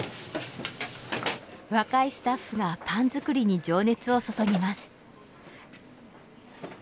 若いスタッフがパン作りに情熱を注ぎます。